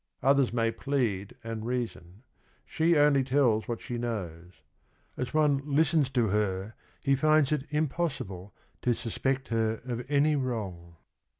Others may plead and reason; she only tells what she knows. As one listens to her he finds it impossible to suspect her of any wrong.